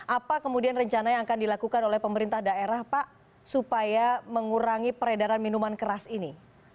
apa kemudian rencana yang akan dilakukan oleh pemerintah daerah pak supaya mengurangi peredaran minuman keras ini